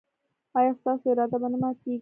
ایا ستاسو اراده به نه ماتیږي؟